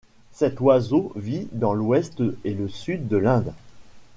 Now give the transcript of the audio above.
Cet oiseau vit dans l'ouest et le sud de l'Inde.